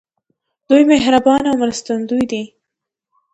دوی مهربان او مرستندوی دي.